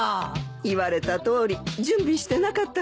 言われたとおり準備してなかったからね。